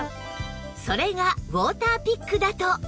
それがウォーターピックだと